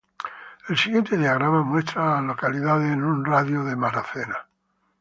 El siguiente diagrama muestra a las localidades en un radio de de Ridgeway.